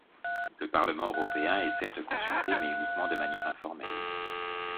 Le Parlement européen est certes consulté mais uniquement de manière informelle.